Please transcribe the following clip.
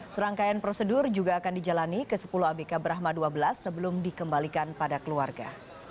serangkaian prosedur juga akan dijalani ke sepuluh abk brahma dua belas sebelum dikembalikan pada keluarga